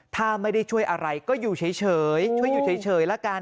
ถ้าไม่ได้ช่วยอะไรก็อยู่เฉยช่วยอยู่เฉยละกัน